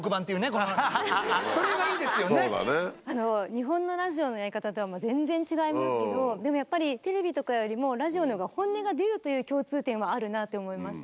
日本のラジオのやり方とは全然違いますけどでもやっぱりテレビとかよりも。という共通点はあるなって思いまして。